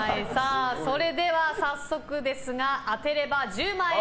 それでは、早速ですが当てれば１０万円！